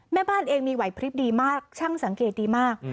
แม่บ้านเองมีไหวพลิบดีมากช่างสังเกตดีมาก